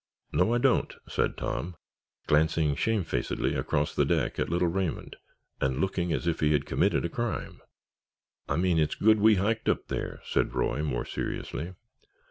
"No, I don't," said Tom, glancing shamefacedly across the deck at little Raymond and looking as if he had committed a crime. "I mean it's good we hiked up there," said Roy, more seriously.